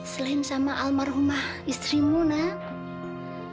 selain sama almarhumah istrimu nak